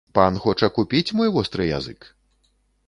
Пан хоча купіць мой востры язык?